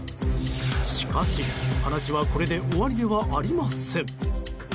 しかし、話はこれで終わりではありません。